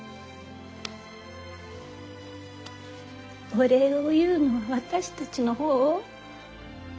お礼を言うのは私たちの方。